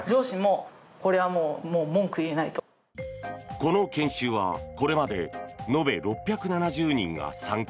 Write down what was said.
この研修はこれまで延べ６７０人が参加。